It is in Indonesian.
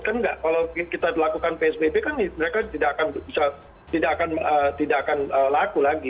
kan kalau kita lakukan psbb kan mereka tidak akan laku lagi